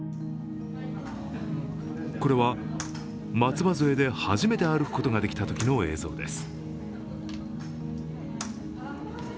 これは松葉づえで初めて歩くことができたときの映像です。